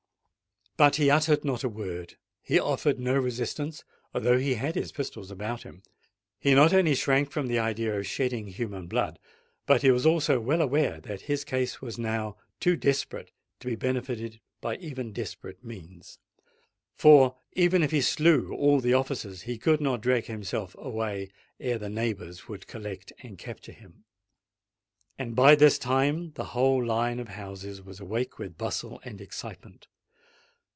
But he uttered not a word: he offered no resistance, although he had his pistols about him. He not only shrank from the idea of shedding human blood: but he was also well aware that his case was now too desperate to be benefited by even desperate means. For, even if he slew all the officers, he could not drag himself away ere the neighbours would collect and capture him. And by this time, the whole line of houses was awake with bustle and excitement.